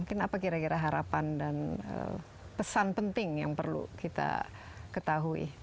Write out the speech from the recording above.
mungkin apa kira kira harapan dan pesan penting yang perlu kita ketahui